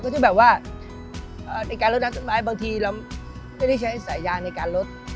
ที่แบบว่าในการลดน้ำต้นไม้บางทีเราไม่ได้ใช้สายยางในการลด